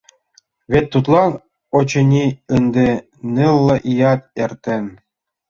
Вет тудлан, очыни, ынде нылле ият эртен.